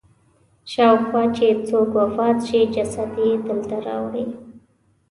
شاوخوا چې څوک وفات شي جسد یې دلته راوړي.